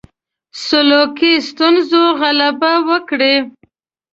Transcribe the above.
سلوکي ستونزو غلبه وکړي.